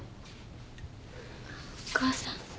・お母さん。